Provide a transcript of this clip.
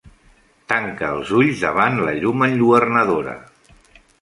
Tancà els ulls davant la llum enlluernadora.